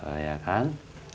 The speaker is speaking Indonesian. oh ya kan